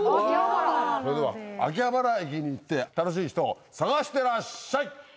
それでは秋葉原駅に行って楽しい人を探してらっしゃい！